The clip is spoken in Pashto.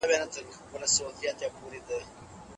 کله د دولت اطاعت واجب دی؟